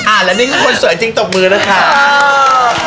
อ่ะแล้วนี่คือคนสวยจริงตกมื้อนะคะ